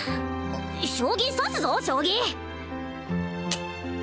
将棋指すぞ将棋！